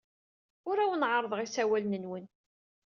Ur awen-ɛerrḍeɣ isawalen-nwen.